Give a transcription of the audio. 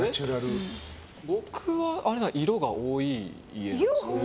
僕は、色が多い家ですね。